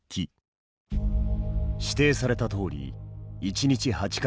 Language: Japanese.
指定されたとおり１日８回